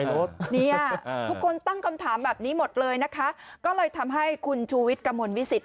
ลดมั้ยมหลายก็ไม่ลด